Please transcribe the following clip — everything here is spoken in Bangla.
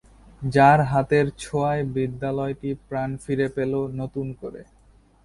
যাঁর হাতের ছোঁয়ায় বিদ্যালয়টি প্রাণ ফিরে পেল নতুন করে।